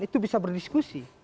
itu bisa berdiskusi